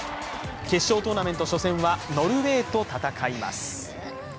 決勝トーナメント初戦はノルウェーと戦います。